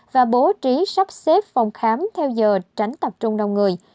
và bố trí sắp xếp phòng khám theo giờ tránh tập trung đông người